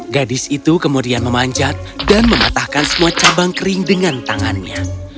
gadis itu kemudian memanjat dan mematahkan semua cabang kering dengan tangannya